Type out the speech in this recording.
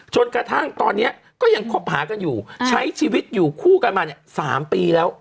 จนกระทั่งตอนนี้ก็ยังคบหากันอยู่ใช้ชีวิตอยู่คู่กันมาเนี่ย๓ปีแล้ว